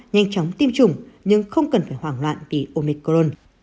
nhanh chóng tiêm chủng nhưng không cần phải hoảng loạn vì omicron